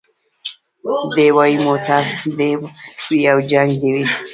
دی وايي موټر دي وي او جنګ دي وي